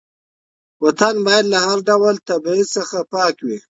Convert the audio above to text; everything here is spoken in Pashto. وطن باید له هر ډول تبعیض څخه پاک وي.